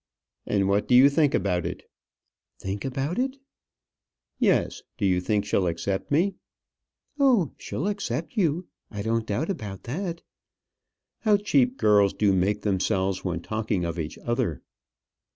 "And what do you think about it?" "Think about it!" "Yes. Do you think she'll accept me?" "Oh! she'll accept you. I don't doubt about that." How cheap girls do make themselves when talking of each other!